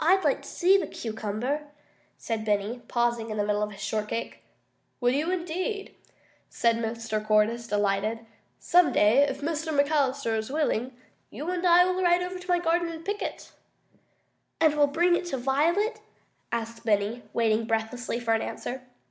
"I'd like to see the cucumber," said Benny, pausing in the middle of his shortcake. "Would you, indeed?" said Mr. Cordyce, delighted. "Some day, if Mrs. McAllister is willing, you and I will ride over to my garden and pick it." "And we'll bring it to Violet?" asked Benny, waiting breathlessly for an answer.